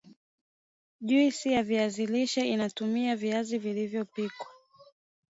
juisi ya viazi lishe inatumia viazi vilivyopikwa